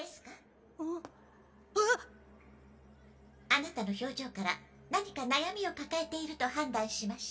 アナタの表情から何か悩みを抱えていると判断しました。